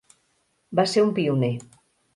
Va ser un pioner.